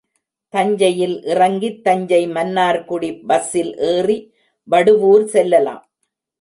தஞ்சையில் இறங்கித் தஞ்சைமன்னார்குடி பஸ்ஸில் ஏறி வடுவூர் செல்லலாம்.